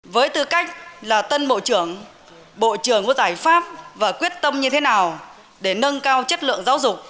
với tư cách là tân bộ trưởng bộ trường có giải pháp và quyết tâm như thế nào để nâng cao chất lượng giáo dục